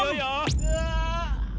うわ！